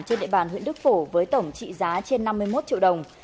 trên địa bàn huyện đức phổ với tổng trị giá trên năm mươi một triệu đồng